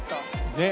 ねっ。